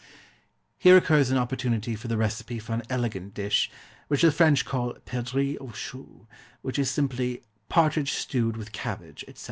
Here occurs an opportunity for the recipe for an elegant dish, which the French call Perdrix aux Choux, which is simply _Partridge Stewed with Cabbage, etc.